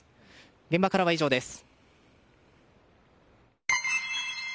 現場からは以上です。